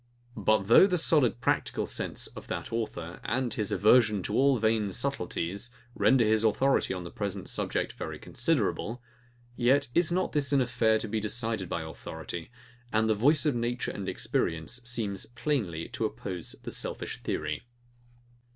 ] But though the solid practical sense of that author, and his aversion to all vain subtilties, render his authority on the present subject very considerable; yet is not this an affair to be decided by authority, and the voice of nature and experience seems plainly to oppose the selfish theory.